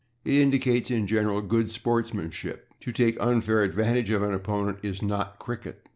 It indicates, in general, good sportsmanship. To take unfair advantage of an opponent is not /cricket